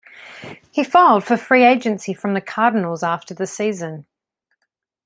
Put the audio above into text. He filed for free agency from the Cardinals after the season.